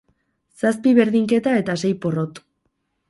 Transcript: Zazpi berdinketa eta sei porrot.